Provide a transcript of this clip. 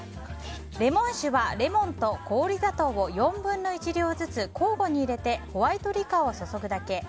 レモン酒は、レモンと氷砂糖を４分の１量ずつ交互に入れてホワイトリカーを注ぐだけ。